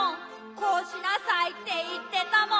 「こうしなさいっていってたもん」